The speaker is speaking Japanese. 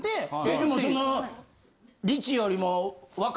でもその。